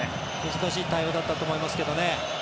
難しい対応だったと思いますけどね。